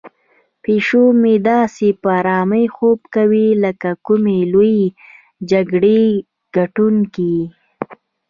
پیشو مې داسې په آرامۍ خوب کوي لکه د کومې لویې جګړې ګټونکی.